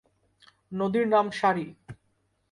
নদীর নাম সারি।